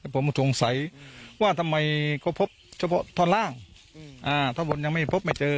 ผมก็สงสัยว่าทำไมเขาพบเฉพาะท่อนล่างท่อนบนยังไม่พบไม่เจอ